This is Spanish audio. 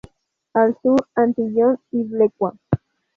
Al sur Antillón, y Blecua.